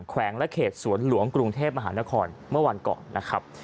แวงและเขตสวนหลวงกรุงเทพมหานครเมื่อวันก่อนนะครับ